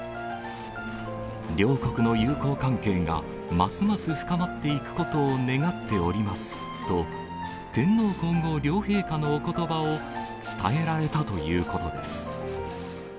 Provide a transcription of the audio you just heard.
両国の友好関係がますます深まっていくことを願っておりますと、天皇皇后両陛下のおことばを伝えられたということです。